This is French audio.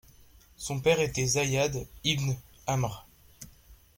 Son père était Zayd ibn Amr.